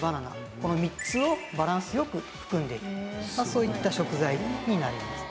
この３つをバランス良く含んでいるそういった食材になります。